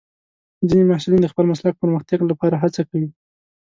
ځینې محصلین د خپل مسلک پرمختګ لپاره هڅه کوي.